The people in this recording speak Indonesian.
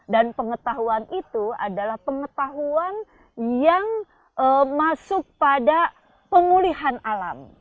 dan pengetahuan itu adalah pengetahuan yang masuk pada pemulihan alam